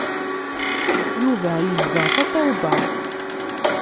Yuba izdeɣ Tatoeba!